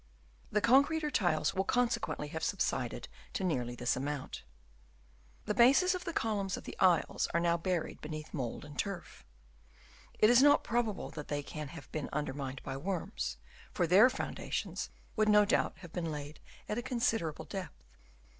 The con crete or tiles will consequently have subsided to nearly this amount. The bases of the columns of the aisles are now buried beneath mould and turf. It is not probable that they can have been undermined by worms, for their foundations would no doubt have been laid at a considerable depth.